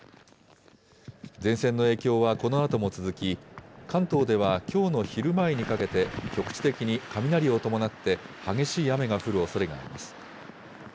前線の影響はこのあとも続き、関東ではきょうの昼前にかけて、局地的に雷を伴って、激しい雨が降るおそれがあります。